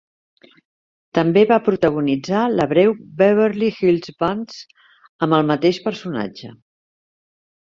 També va protagonitzar la breu "Beverly Hills Buntz" amb el mateix personatge.